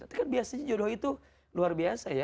itu kan biasanya jodoh itu luar biasa ya